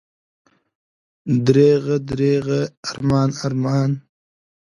دریغه، دریغه، ارمان، ارمان!